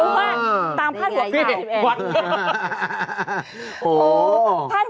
เพราะว่าตามผ้าหัวข่าว